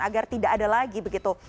agar tidak ada lagi begitu